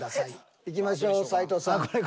いきましょう斎藤さん。